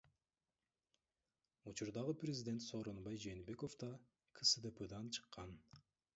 Учурдагы президент Сооронбай Жээнбеков да КСДПдан чыккан.